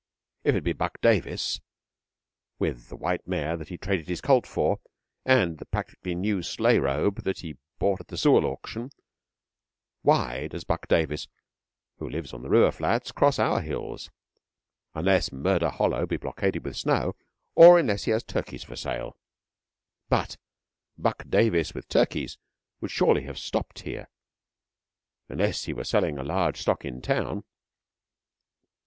If it be Buck Davis, with the white mare that he traded his colt for, and the practically new sleigh robe that he bought at the Sewell auction, why does Buck Davis, who lives on the river flats, cross our hills, unless Murder Hollow be blockaded with snow, or unless he has turkeys for sale? But Buck Davis with turkeys would surely have stopped here, unless he were selling a large stock in town.